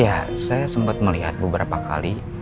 ya saya sempat melihat beberapa kali